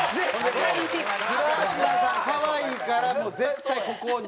倉科さんかわいいからもう絶対ここに。